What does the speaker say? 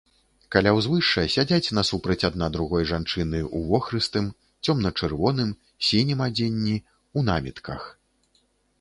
Каля ўзвышша сядзяць насупраць адна другой жанчыны ў вохрыстым, цёмна-чырвоным, сінім адзенні, у намітках.